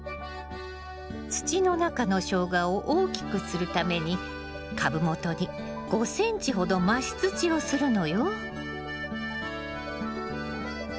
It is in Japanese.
土の中のショウガを大きくするために株元に５ｃｍほど増し土をするのよ。